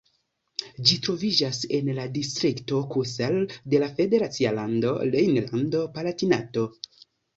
Ĝi troviĝas en la distrikto Kusel de la federacia lando Rejnlando-Palatinato.